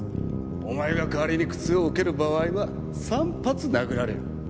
お前が代わりに苦痛を受ける場合は３発殴られる。